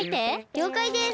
りょうかいです。